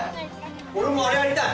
俺もあれやりたい。